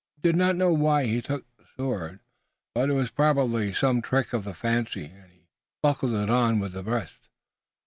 He did not know why he took the sword, but it was probably some trick of the fancy and he buckled it on with the rest.